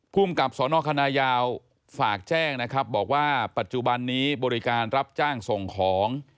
ภูมิกับสนคณะยาวฝากแจ้งนะครับบอกว่าปัจจุบันนี้บริการรับจ้างส่งของ